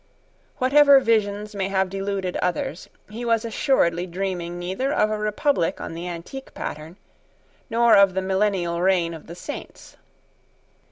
Whatever visions may have deluded others, he was assuredly dreaming neither of a republic on the antique pattern, nor of the millennial reign of the Saints.